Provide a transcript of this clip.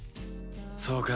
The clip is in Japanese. そうか。